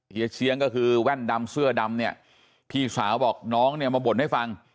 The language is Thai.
เฮีเชียงก็คือแว่นดำเสื้อดำเนี่ยพี่สาวบอกน้องเนี่ยมาบ่นให้ฟัง